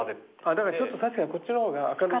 あだからちょっと確かにこっちの方が明るい。